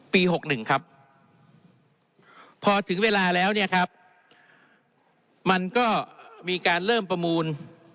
๖๑ครับพอถึงเวลาแล้วเนี่ยครับมันก็มีการเริ่มประมูล